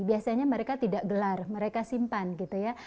biasanya mereka tidak gelar mereka simpan gitu ya